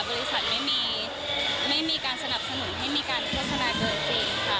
บริษัทไม่มีการสนับสนุนให้มีการโฆษณาเกินจริงค่ะ